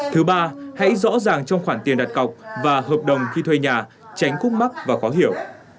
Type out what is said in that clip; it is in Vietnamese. thứ ba hãy rõ ràng trong khoản tiền đặt cọc và hợp đồng khi thuê nhà tránh khúc mắc và khó hiểu